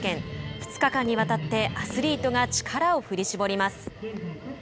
２日間にわたってアスリートが力を振り絞ります。